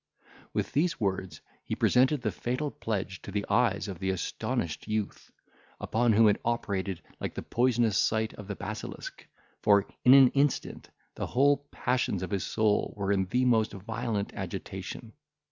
With these words he presented the fatal pledge to the eyes of the astonished youth, upon whom it operated like the poisonous sight of the basilisk, for in an instant, the whole passions of his soul were in the most violent agitation.